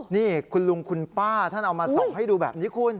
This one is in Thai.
นี่คุณลุงคุณป้าท่านเอามาส่องให้ดูแบบนี้คุณ